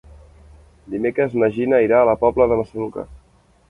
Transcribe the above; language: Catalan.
Dimecres na Gina irà a la Pobla de Massaluca.